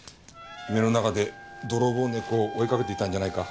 夢の中で泥棒猫を追いかけていたんじゃないか？